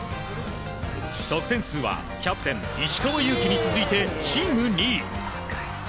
得点数はキャプテン石川祐希に続いてチーム２位。